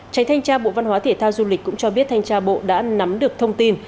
tránh thanh tra bộ văn hóa thể thao du lịch cũng cho biết thanh tra bộ đã nắm được thông tin